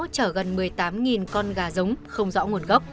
chở gần một mươi tám con gà giống không rõ nguồn gốc